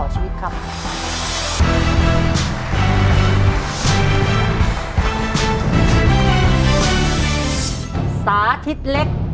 จิตตะสังวโรครับ